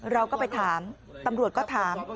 เราก็ไปถามตำรวจก็ถาม